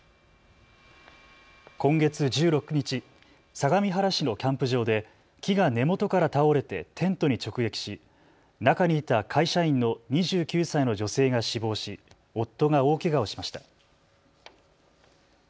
今月１６日、相模原市のキャンプ場で木が根元から倒れてテントに直撃し、中にいた会社員の２９歳の女性が死亡し夫が大けがをしました。